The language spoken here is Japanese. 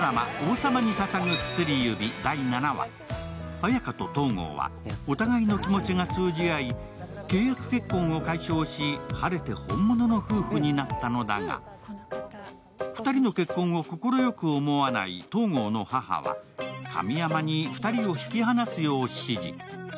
綾華と東郷は、お互いの気持ちが通じ合い、契約結婚を解消し、晴れて本物の夫婦になったのだが２人の結婚を快く思わない東郷の母は神山に２人を引き離すよう指示。